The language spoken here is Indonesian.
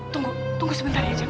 tunggu tunggu sebentar ya jeng